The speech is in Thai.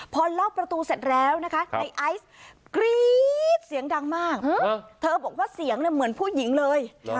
พอล็อกประตูเสร็จแล้วนะคะในไอซ์กรี๊ดเสียงดังมากเธอบอกว่าเสียงเหมือนผู้หญิงเลย